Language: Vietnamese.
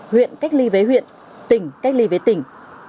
huyện cách ly với huyện tỉnh cách ly với tỉnh